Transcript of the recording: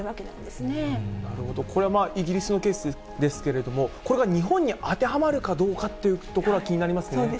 なるほど、これはイギリスのケースですけれども、これが日本に当てはまるかどうかっていうところが気になりますよ